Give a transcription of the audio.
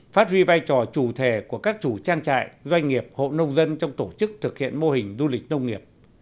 phát huy vai trò chủ thể của các chủ trang trại doanh nghiệp hộ nông dân trong tổ chức thực hiện mô hình du lịch nông nghiệp